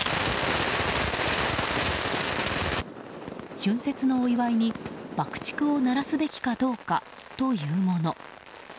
春節のお祝いに爆竹を鳴らすべきかどうかというもの。